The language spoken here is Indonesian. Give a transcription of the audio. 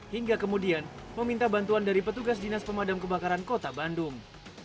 hingga kemudian meminta bantuan dari petugas dinas pemadam kebakaran kota bandung